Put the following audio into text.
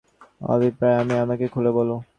গোরা কহিল, এখন তোমার অভিপ্রায় কী আমাকে খুলো বলো।